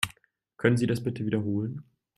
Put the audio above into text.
Können Sie das bitte wiederholen?